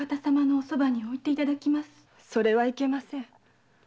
それはいけません。